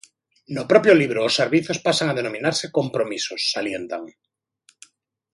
No propio libro os servizos pasan a denominarse "compromisos", salientan.